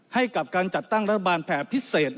ให้กับการจัดตั้งรัฐบาลแผ่พิเศษ